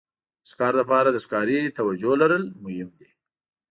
د ښکار لپاره د ښکاري توجو لرل مهم دي.